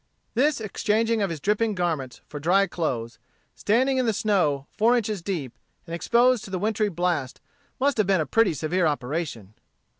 This exchanging of his dripping garments for dry clothes, standing in the snow four inches deep, and exposed to the wintry blast, must have been a pretty severe operation.